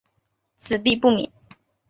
子必不免。